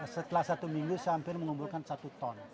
setelah satu minggu saya hampir mengumpulkan satu ton